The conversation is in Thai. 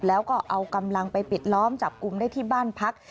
แล้วก็เอากำลังไปปิดล้อมจับกลุ่มได้ที่บ้านพัก